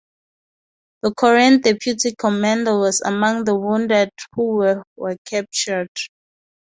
The Korean deputy commander was among the wounded who were captured.